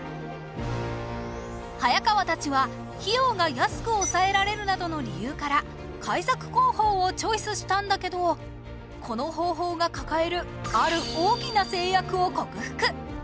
早川たちは費用が安く抑えられるなどの理由から開削工法をチョイスしたんだけどこの方法が抱えるある大きな制約を克服！